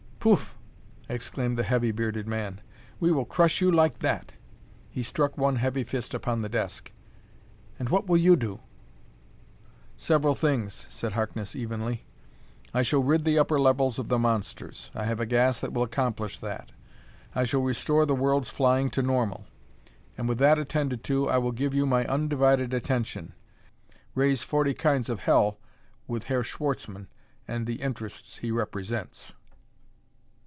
"Poof!" exclaimed the heavy, bearded man. "We will crush you like that!" He struck one heavy fist upon the desk. "And what will you do?" "Several things," said Harkness evenly. "I shall rid the upper levels of the monsters: I have a gas that will accomplish that. I shall restore the world's flying to normal. And, with that attended to, I will give you my undivided attention raise forty kinds of hell with Herr Schwartzmann and the interests he represents.